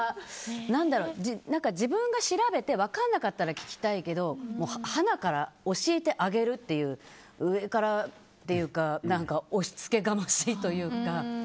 自分が調べて分からなかったら聞きたいけどはなから教えてあげるっていう上からっていうか押しつけがましいというか。